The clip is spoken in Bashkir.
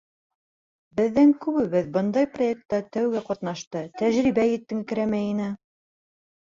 Беҙҙең күбебеҙ бындай проектта тәүгә ҡатнашты, тәжрибә етеңкерәмәй ине.